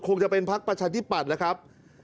คงจะเป็นพักประชาธิปัตย์แล้วครับ